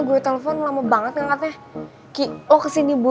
gue telpon lama banget gak katanya